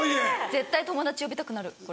絶対友達呼びたくなる。